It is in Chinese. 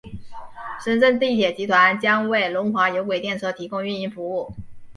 深圳地铁集团将为龙华有轨电车提供运营服务。